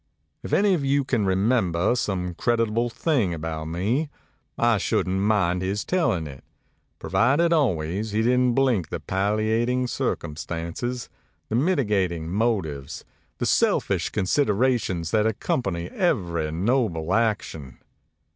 If any of you can remember some creditable thing about me, I shouldn't mind his telling it, pro vided always he didn't blink the palliating circum stances, the mitigating motives, the selfish considera tions that accompany every noble action.